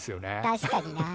確かにな。